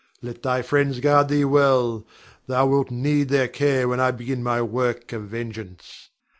Let thy friends guard thee well; thou wilt need their care when I begin my work of vengeance.